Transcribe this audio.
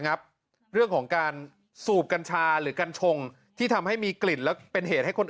งับเรื่องของการสูบกัญชาหรือกัญชงที่ทำให้มีกลิ่นและเป็นเหตุให้คนอื่น